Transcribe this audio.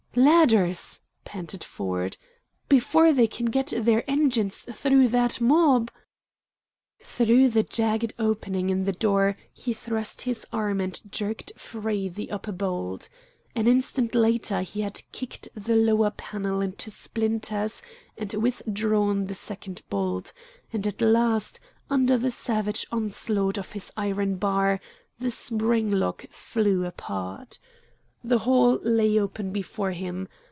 "Ladders!" panted Ford. "Before they can get their engines through that mob " Through the jagged opening in the door he thrust his arm and jerked free the upper bolt. An instant later he had kicked the lower panel into splinters and withdrawn the second bolt, and at last, under the savage onslaught of his iron bar, the spring lock flew apart. The hall lay open before him.